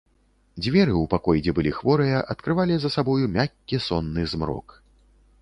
Дзверы ў пакой, дзе былі хворыя, адкрывалі за сабою мяккі сонны змрок.